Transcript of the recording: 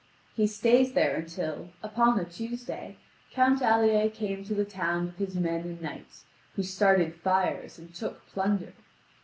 He stayed there until, upon a Tuesday, Count Alier came to the town with his men and knights, who started fires and took plunder.